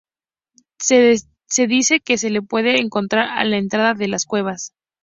Se dice que se les puede encontrar a la entrada de las cuevas.